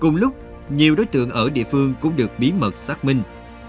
cùng lúc nhiều đối tượng ở địa phương cũng được bí mật xác minh